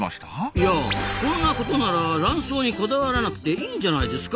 いやこんなことならラン藻にこだわらなくていいんじゃないですか？